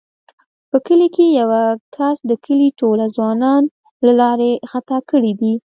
په کلي کې یوه کس د کلي ټوله ځوانان له لارې خطا کړي دي.